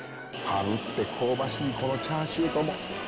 あぶって香ばしいこのチャーシューとも。